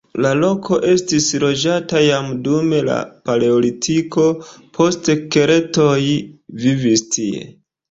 La loko estis loĝata jam dum la paleolitiko, poste keltoj vivis tie.